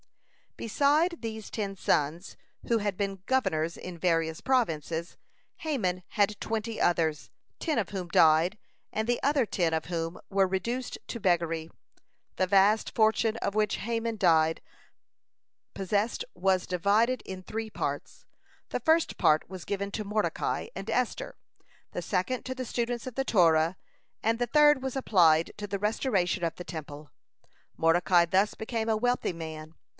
(186) Beside these ten sons, who had been governors in various provinces, Haman had twenty others, ten of whom died, and the other ten of whom were reduced to beggary. (187) The vast fortune of which Haman died possessed was divided in three parts. The first part was given to Mordecai and Esther, the second to the students of the Torah, and the third was applied to the restoration of the Temple. (188) Mordecai thus became a wealthy man.